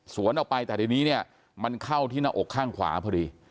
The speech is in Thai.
ออกไปแต่ทีนี้เนี่ยมันเข้าที่หน้าอกข้างขวาพอดี